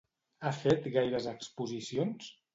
Ha fet gaires exposicions?